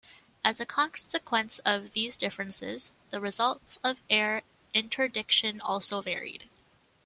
As a consequence of these differences, the results of air interdiction also varied.